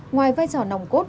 ngoài vai trò nồng cốt